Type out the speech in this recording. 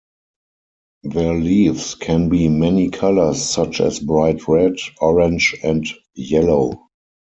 Their leaves can be many colors such as bright red, Orange and yellow.